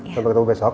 sampai ketemu besok